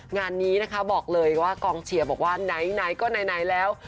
งานนี้นะคะบอกเลยว่ากองเชียร์บอกว่าไหนก็ไหนแล้ว